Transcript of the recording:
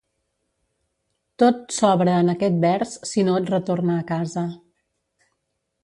Tot sobra en aquest vers si no et retorna a casa.